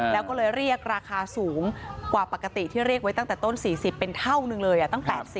แล้วก็เลยเรียกราคาสูงกว่าปกติที่เรียกไว้ตั้งแต่ต้น๔๐เป็นเท่านึงเลยตั้ง๘๐